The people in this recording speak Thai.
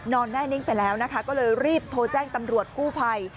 แน่นิ่งไปแล้วนะคะก็เลยรีบโทรแจ้งตำรวจกู้ภัย